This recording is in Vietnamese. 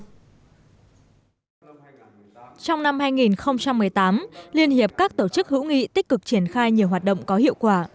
trong năm hai nghìn một mươi tám liên hiệp các tổ chức hữu nghị tích cực triển khai nhiều hoạt động có hiệu quả